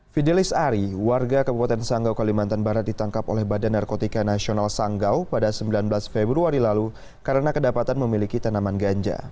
fidelis ari warga kabupaten sanggau kalimantan barat ditangkap oleh badan narkotika nasional sanggau pada sembilan belas februari lalu karena kedapatan memiliki tanaman ganja